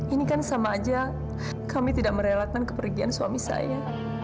ini kan sama aja kami tidak merelakan kepergian suami saya